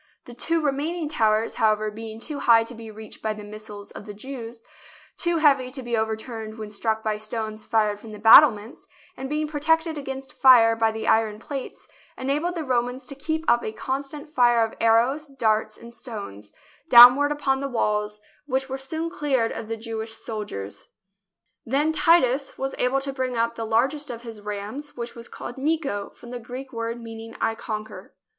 The two remaining towers, however, being too high to be reached by the missiles of the Jews, too heavy to be overturned when struck by stones fired from the battlements, and being protected against fire by the iron plates, enabled the Romans to keep up a con stant fire of arrows, darts and stones, downward upon the walls, which were soon cleared of the Jew ish soldiers. Then Titus was able to bring up the largest of his rams, which was called " Niko," from the Greek word meaning " I conquer."